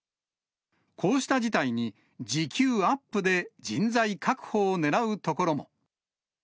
こうした事態に、時給アップで人材確保をねらうところも。